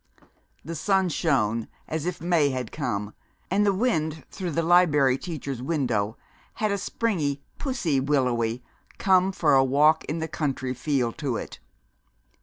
The sun shone as if May had come, and the wind, through the Liberry Teacher's window, had a springy, pussy willowy, come for a walk in the country feel to it.